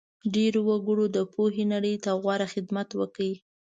ډېرو وګړو د پوهې نړۍ ته غوره خدمت وکړ.